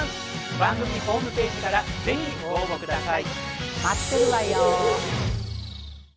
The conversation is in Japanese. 番組ホームページから是非ご応募下さい！